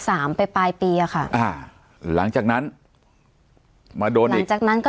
สามไปปลายปีอ่ะค่ะอ่าหลังจากนั้นมาโดนหลังจากนั้นก็